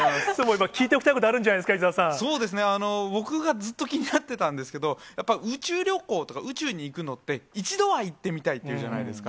今、聞いておきたいことがあ僕がずっと気になってたんですけど、やっぱ宇宙旅行とか、宇宙に行くのって、一度は行ってみたいっていうじゃないですか。